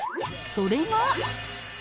それが